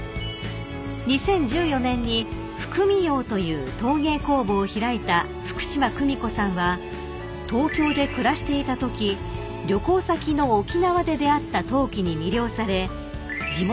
［２０１４年に福美ようという陶芸工房を開いた福島久美子さんは東京で暮らしていたとき旅行先の沖縄で出合った陶器に魅了され］